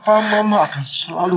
papa mama akan selalu